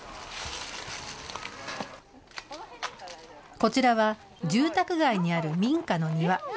こちらは住宅街にある民家の庭。